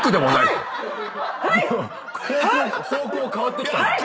方向変わってきたぞ。